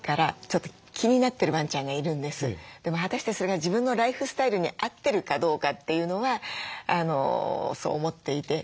でも果たしてそれが自分のライフスタイルに合ってるかどうかというのはそう思っていて。